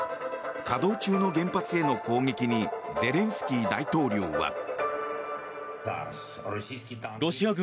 稼働中の原発への攻撃にゼレンスキー大統領は。